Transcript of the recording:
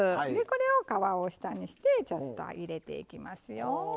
これを皮を下にしてちょっと入れていきますよ。